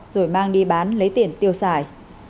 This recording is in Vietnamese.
rồi mang đi bán lấy tiền tiêu xài